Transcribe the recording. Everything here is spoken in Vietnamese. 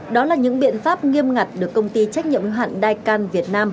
đó là những biện pháp nghiêm ngặt được công ty trách nhiệm hạn đai can việt nam